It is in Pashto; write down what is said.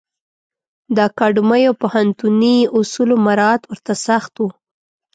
د اکاډمیو او پوهنتوني اصولو مرعات ورته سخت و.